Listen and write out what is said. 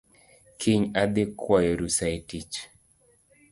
Kiny adhii kwayo rusa e tich